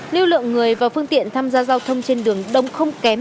lưu lượng người và phương tiện tham gia giao thông trên đường đông không kém